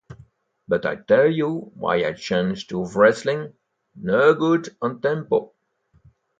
But I tell you why I change to wrestling: No good on tempo.